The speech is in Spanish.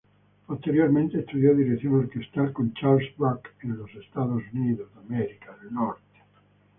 Posteriormente estudió dirección orquestal con Charles Bruck en Estados Unidos.